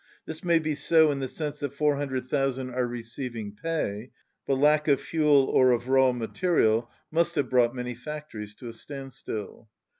This may be so in the sense that 400,000 are receiving pay, but lack of fuel or of raw material must have brought many factories to a standstill.